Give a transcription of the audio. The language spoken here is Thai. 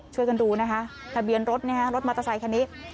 ช่วยกันดูนะคะทะเบียนรถมอเตอร์ไซค์คันนี้